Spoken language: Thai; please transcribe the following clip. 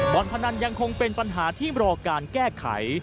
พนันยังคงเป็นปัญหาที่รอการแก้ไข